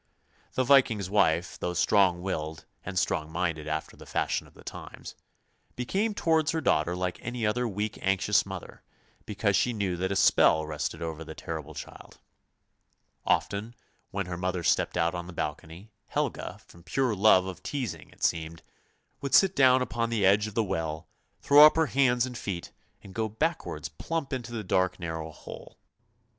The Viking's wife, though strong willed and strong minded after the fashion of the times, became towards her daughter like any other weak, anxious mother, because she knew that a spell rested over the terrible child. Often when her mother stepped out on to the balcony, Helga, from pure love of teasing it seemed, would sit down upon the edge of the well, throw up her hands and feet, and go backwards plump into the dark narrow hole.